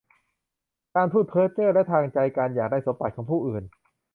การพูดเพ้อเจ้อ และทางใจ การอยากได้สมบัติของผู้อื่น